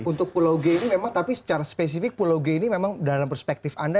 untuk pulau g ini memang tapi secara spesifik pulau g ini memang dalam perspektif anda